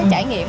như thế này